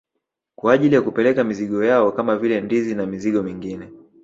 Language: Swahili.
Kwa ajili ya kupeleka mizigo yao kama vile ndizi na mizigo mingine